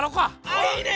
あいいね！